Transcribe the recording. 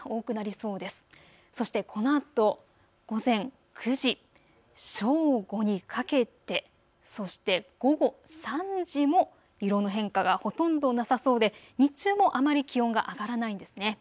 そしてこのあと午前９時、正午にかけて、そして午後３時も色の変化がほとんどなさそうで日中もあまり気温が上がらないんですね。